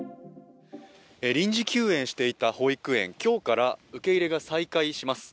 臨時休園していた保育園、今日から受け入れが再開します。